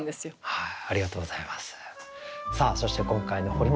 はい。